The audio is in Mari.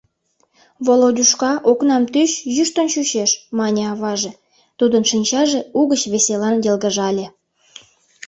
— Володюшка, окнам тӱч, йӱштын чучеш, — мане аваже, тудын шинчаже угыч веселан йылгыжале.